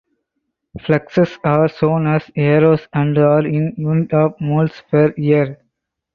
Fluxes are shown as arrows and are in units of moles per year.